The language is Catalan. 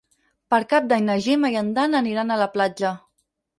Per Cap d'Any na Gemma i en Dan aniran a la platja.